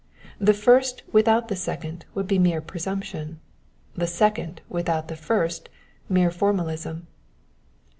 The first without the second would be mere presumption : the second without the first mere formalism.